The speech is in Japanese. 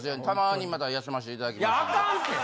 たまにまた休ませていただきます。